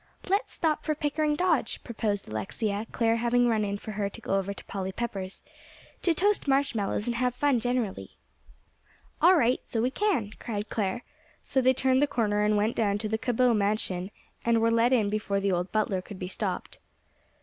"Let's stop for Pickering Dodge," proposed Alexia, Clare having run in for her to go over to Polly Pepper's, "to toast marshmallows and have fun generally." "All right; so we can," cried Clare. So they turned the corner and went down to the Cabot mansion, and were let in before the old butler could be stopped.